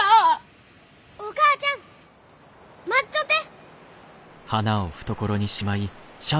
お母ちゃん待っちょって！